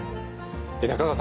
中川さん